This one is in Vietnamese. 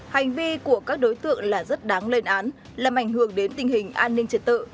hành vi của các đối tượng là rất đáng lên án làm ảnh hưởng đến tình hình an ninh trật tự